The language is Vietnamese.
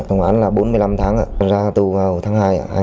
thông án là bốn mươi năm tháng ra tù vào tháng hai hai nghìn một mươi năm